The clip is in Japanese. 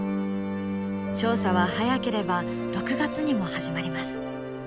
調査は早ければ６月にも始まります。